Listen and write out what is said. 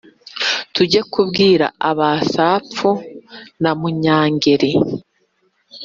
tujye kubwira abasapfu ba mujya-ngeri,